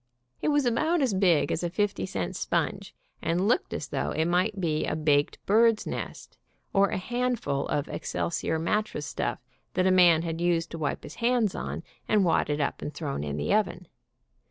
It was about as big as a fifty cent sponge, and looked as though it might be a baked bird's nest or a hand ful of excelsior mat tress stuff that a man had used to wipe his hands on, and wadded up and thrown in the oven.